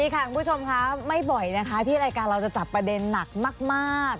คุณผู้ชมค่ะไม่บ่อยนะคะที่รายการเราจะจับประเด็นหนักมาก